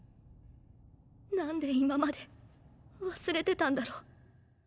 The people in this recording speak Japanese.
何で今まで忘れてたんだろう。